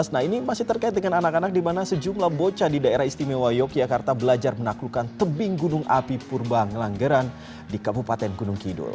nah ini masih terkait dengan anak anak di mana sejumlah bocah di daerah istimewa yogyakarta belajar menaklukkan tebing gunung api purba ngelanggaran di kabupaten gunung kidul